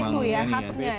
itu ya khasnya ya